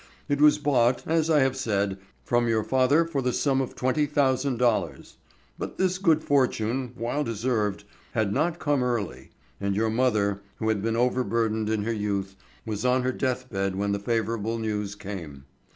It was bought, as I have said, from your father for the sum of twenty thousand dollars. But this good fortune, while deserved, had not come early, and your mother, who had been overburdened in her youth, was on her deathbed when the favorable news came.